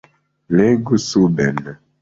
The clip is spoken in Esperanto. Legu suben.